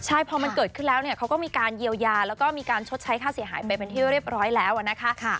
ใช่พอมันเกิดขึ้นแล้วเนี่ยเขาก็มีการเยียวยาแล้วก็มีการชดใช้ค่าเสียหายไปเป็นที่เรียบร้อยแล้วนะคะ